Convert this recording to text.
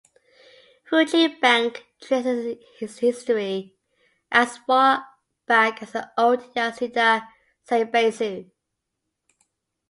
Fuji Bank traces its history as far back as the old Yasuda zaibatsu.